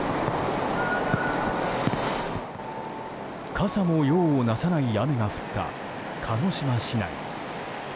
傘も用をなさない雨が降った鹿児島市内。